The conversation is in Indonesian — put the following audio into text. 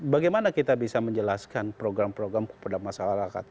bagaimana kita bisa menjelaskan program program kepada masyarakat